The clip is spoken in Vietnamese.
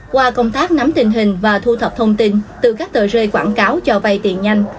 qua công tác nắm tình hình và thu thập thông tin từ các tờ rơi quảng cáo cho vay tiền nhanh